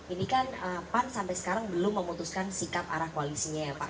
ini kan pan sampai sekarang belum memutuskan sikap arah koalisinya ya pak